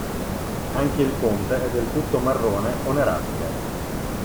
Anche il ponte è del tutto marrone o nerastro.